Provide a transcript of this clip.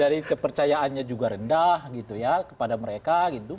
jadi kepercayaannya juga rendah kepada mereka